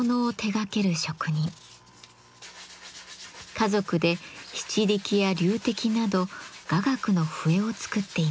家族で篳篥や龍笛など雅楽の笛を作っています。